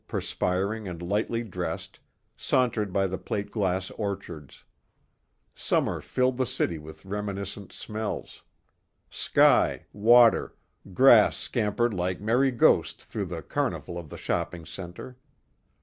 People, perspiring and lightly dressed, sauntered by the plate glass orchards. Summer filled the city with reminiscent smells. Sky, water, grass scampered like merry ghosts through the carnival of the shopping center.